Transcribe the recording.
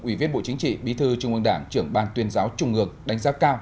ủy viên bộ chính trị bí thư trung ương đảng trưởng ban tuyên giáo trung ương đánh giá cao